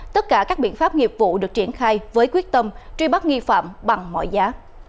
tất cả các biện pháp nghiệp vụ được triển khai với quyết tâm truy bắt nghi phạm bằng mọi giá